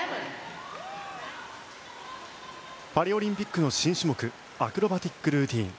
パリオリンピックの新種目アクロバティックルーティン。